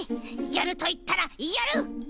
やるといったらやる！